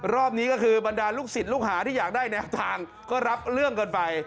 รอบนี้ก็คือบรรดาลูกศิษย์ลูกหาที่อยากได้แนวทางก็รับเรื่องกันไป